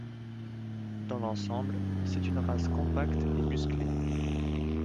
Dans l'ensemble, c'est une race compacte et musclée.